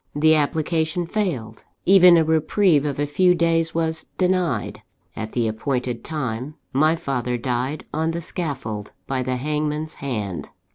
The application failed; even a reprieve of a few days was denied. At the appointed time, my father died on the scaffold by the hangman's hand.